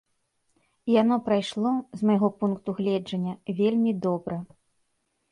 Яно прайшло, з майго пункту гледжання, вельмі добра.